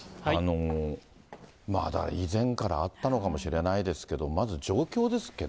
まだ以前からあったのかもしれないですけども、まず状況ですけど。